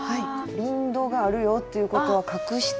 リンドウがあるよっていうことは隠して。